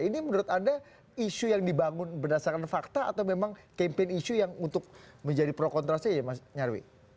ini menurut anda isu yang dibangun berdasarkan fakta atau memang campaign isu yang untuk menjadi pro kontrasnya ya mas nyarwi